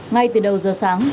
ngay từ đầu giờ sáng